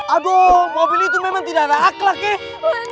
aduh mobil itu memang tidak ada akla kek